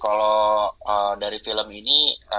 kalau dari film ini